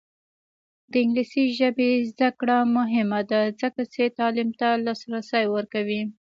د انګلیسي ژبې زده کړه مهمه ده ځکه چې تعلیم ته لاسرسی ورکوي.